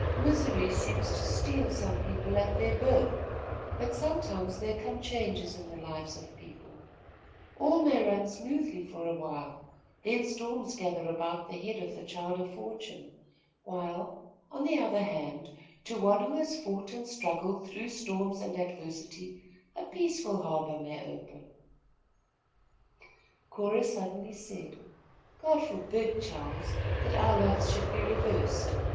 Misery seems to steal some people at their birth; but sometimes there come changes in the lives of people. All may run smoothly for a while, then storms gather about the head of the child of fortune, while, on the other hand, to one who has fought and struggled through storms and adversity a peaceful harbor may open " Cora suddenly said: "God forbid, Charles, that our lots should be reversed.